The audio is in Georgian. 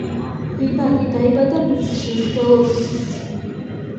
რიბაკი დაიბადა მინსკში, ბელორუსი.